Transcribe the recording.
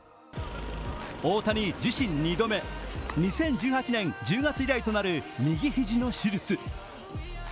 大谷、自身２度目、２０１８年１０月以来となる右肘の手術。